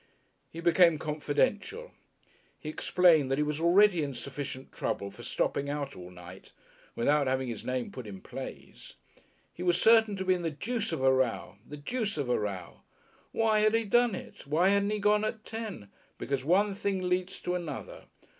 He became confidential. He explained that he was already in sufficient trouble for stopping out all night without having his name put in plays. He was certain to be in the deuce of a row, the deuce of a row. Why had he done it? Why hadn't he gone at ten? Because one thing leads to another.